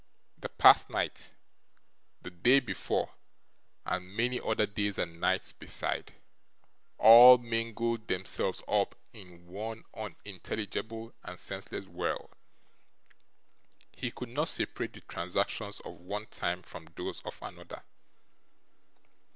The past night, the day before, and many other days and nights beside, all mingled themselves up in one unintelligible and senseless whirl; he could not separate the transactions of one time from those of another.